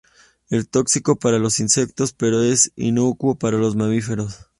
Es tóxico para los insectos, pero es inocuo para los mamíferos.